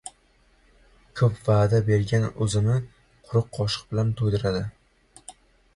• Ko‘p va’da bergan o‘zini quruq qoshiq bilan to‘ydiradi.